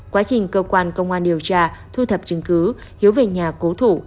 quá trình cơ quan công an điều tra thu thập chứng cứ hiếu về nhà cố thủ